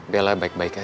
bella baik baik aja